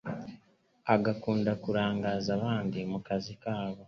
agakunda kurangaza abandi mukazi kabo